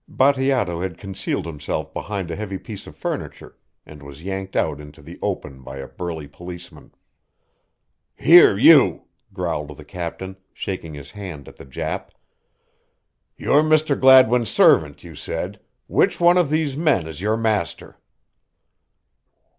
Bateato had concealed himself behind a heavy piece of furniture and was yanked out into the open by a burly policeman. "Here you," growled the captain, shaking his hand at the Jap, "you're Mr. Gladwin's servant, you said which one of these men is your master?"